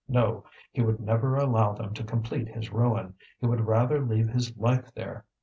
No, he would never allow them to complete his ruin; he would rather leave his life there.